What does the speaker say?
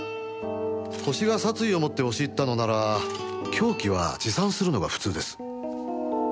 ホシが殺意を持って押し入ったのなら凶器は持参するのが普通です。